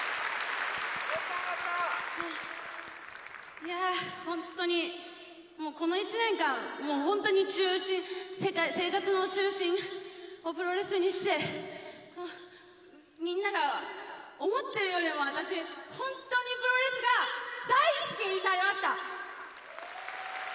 いやぁ、本当にもうこの１年間、もう本当に中心、生活の中心をプロレスにして、みんなが思ってるよりも私、本当にプロレスが大好きになりました！